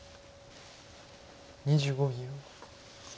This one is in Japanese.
２５秒。